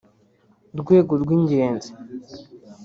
Rwego Rw’ Ingenzi